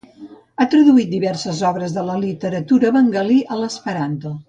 Ha traduït diverses obres de la literatura bengalí a l'esperanto.